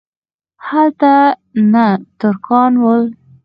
هلته نه ترکان ول.